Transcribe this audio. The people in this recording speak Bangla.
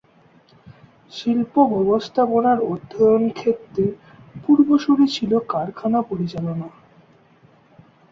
শিল্প ব্যবস্থাপনার অধ্যয়ন ক্ষেত্রের পূর্বসূরী ছিল কারখানা পরিচালনা।